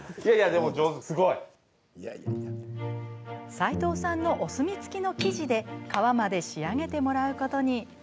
齋藤さんのお墨付きの生地で皮まで仕上げてもらうことに。